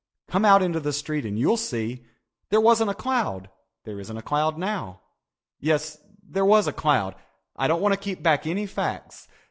Come out into the street and you'll see. There wasn't a cloud. There isn't a cloud now. Yes, there was a cloud. I don't want to keep back any facts.